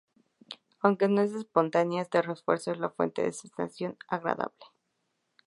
Aunque no es espontánea, este refuerzo es la fuente de la sensación agradable.